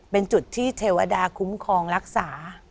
เป็นจุดที่เทวดาคุ้มครองรักษา